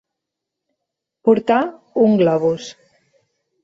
Portar un globus.